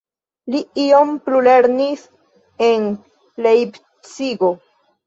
Li iom plulernis en Lejpcigo.